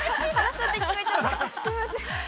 ◆すいません。